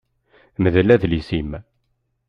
Mdel adlis-im.